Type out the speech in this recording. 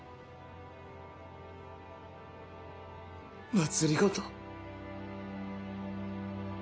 政。